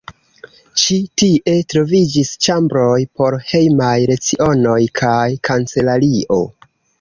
Ĉi tie troviĝis ĉambroj por hejmaj lecionoj kaj kancelario.